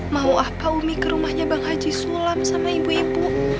mau apa umi ke rumahnya bang haji sulam sama ibu ibu